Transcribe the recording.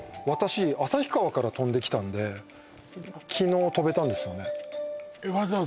私旭川から飛んできたんで昨日飛べたんですよねえっ